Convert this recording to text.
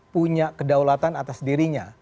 punya kedaulatan atas dirinya